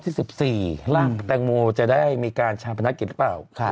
ที่๑๔ร่างแตงโมจะได้มีการชาปนักกิจหรือเปล่า